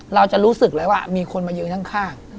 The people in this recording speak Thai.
เราจะรู้สึกเลยว่ามีคนมายืนข้าง